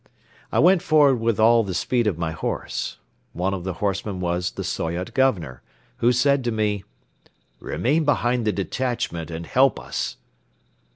I went forward with all the speed of my horse. One of the horsemen was the Soyot Governor, who said to me: "Remain behind the detachment and help us."